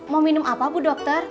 mau minum apa bu dokter